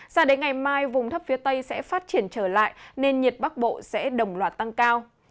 sao đến ngày mai vùng thấp phía tây sẽ phát triển trở lại nên nhiệt bắc bộ sẽ đồng loạt tăng cao